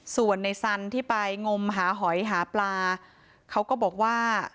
ส่วนในสันที่ไปงมหาหอยหาปลาเขาก็บอกว่า